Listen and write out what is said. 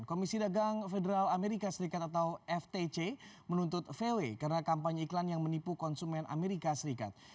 komisi dagang federal amerika serikat atau ftc menuntut vw karena kampanye iklan yang menipu konsumen amerika serikat